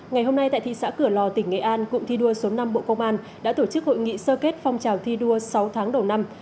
ngày hôm nay tại thị xã cửa lò tỉnh nghệ an cụm thi đua số năm bộ công an đã tổ chức hội nghị sơ kết phong trào thi đua sáu tháng đầu năm